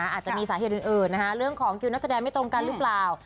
อาจจะมีสาเหตุอื่นเรื่องของคิวนักแสดงไม่ตรงกันหรือเปล่า